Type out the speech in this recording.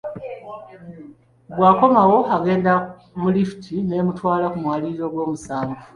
Bw'akomawo agenda mu lifuti n'emutwala ku mwaliiro ogwomusanvu.